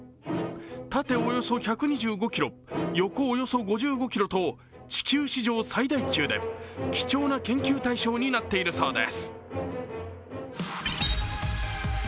縦およそ１２５ｋｍ、横およそ５５ｋｍと地球史上最大級で貴重な研究対象になっているそうです。